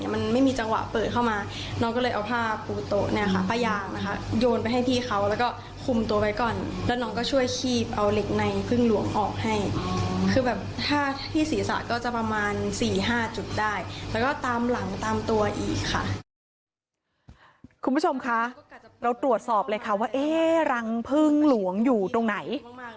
มีห้าจุดได้แล้วก็ตามหลังตามตัวอีกค่ะคุณผู้ชมค่ะเราตรวจสอบเลยค่ะว่าเอ๊รังพึ่งหลวงอยู่ตรงไหน